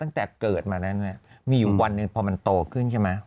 ตั้งแต่เกิดมาแล้วเนี่ยมีอยู่วันหนึ่งพอมันโตขึ้นใช่ไหม